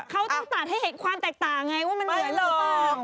เขาต้องตัดให้เห็นความแตกต่างไงว่ามันเหมือนหรือเปล่า